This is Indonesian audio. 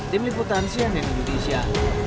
tim liputan sian dan indonesia